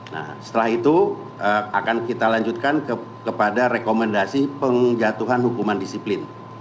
nah setelah itu akan kita lanjutkan kepada rekomendasi penjatuhan hukuman disiplin